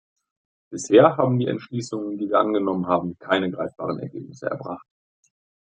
Bisher haben die Entschließungen, die wir angenommen haben, keine greifbaren Ergebnisse erbracht.